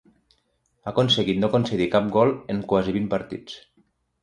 Ha aconseguit no concedir cap gol en quasi vint partits.